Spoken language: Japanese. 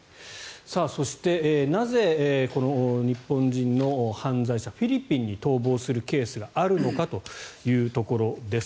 そして、なぜ日本人の犯罪者がフィリピンに逃亡するケースがあるのかということです。